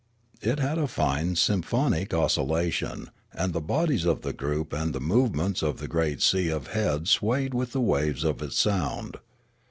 It had a fine symphonic oscillation, and the bodies of the group and the movements of the great sea of heads swayed with the waves of its sound.